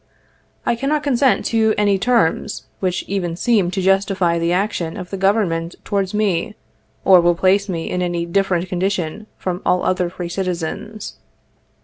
"I cannot consent to any terms, which even seem to justify the action of the Government towards me, or will place me in any differ ent condition from all other free citizens.